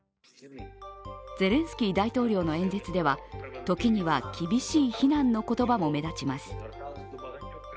ゼレンスキー大統領の演説では時には厳しい非難の言葉も目立ちます。